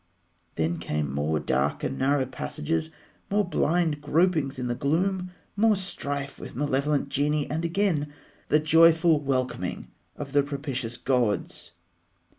Then came more dark and narrow passages, more blind gropings in the gloom, more strife with malevolent genii, and again the joyful welcoming of the propitious gods.